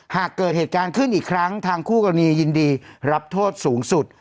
หากเกิดเหตุการณ์ขึ้นอีกครั้งทางคู่กรณียินดีรับโทษสูงสุด